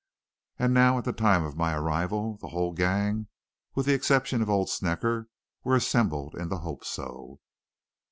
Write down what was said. And now, at the time of my arrival, the whole gang, with the exception of old Snecker, were assembled in the Hope So.